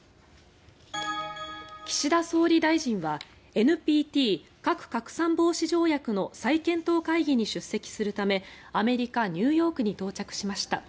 岸田総理大臣はＮＰＴ・核拡散防止条約の再検討会議に出席するためアメリカ・ニューヨークに到着しました。